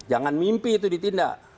jangan mimpi itu ditindak